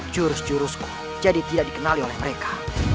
jurus jurusku jadi tidak dikenali oleh mereka